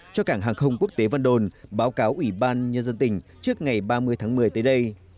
cho cảng hàng không quốc tế vân đồn báo cáo ủy ban nhân dân tỉnh trước ngày ba mươi tháng một mươi tới đây